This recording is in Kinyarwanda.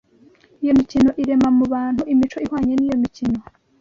Iyo mikino irema mu bantu imico ihwanye n’iyo imikino